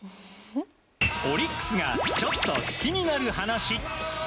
オリックスがちょっと好きになる話。